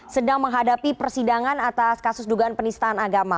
sedang menghadapi persidangan atas kasus dugaan penistanan